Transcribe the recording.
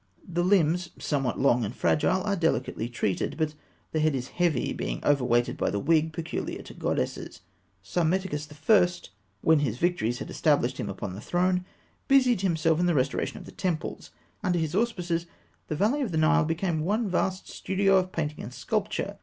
The limbs, somewhat long and fragile, are delicately treated; but the head is heavy, being over weighted by the wig peculiar to goddesses. Psammetichus I., when his victories had established him upon the throne, busied himself in the restoration of the temples. Under his auspices, the valley of the Nile became one vast studio of painting and sculpture.